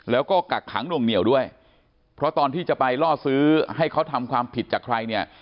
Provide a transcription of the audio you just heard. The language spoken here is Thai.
แล้วก็กักขังหน่วงเหนียวด้วยเพราะตอนที่จะไปล่อซื้อให้เขาทำความผิดจากใครเนี่ย